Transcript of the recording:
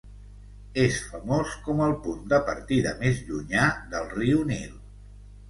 És famós com el punt de partida més llunyà del riu Nil.